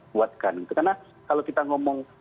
buatkan karena kalau kita ngomong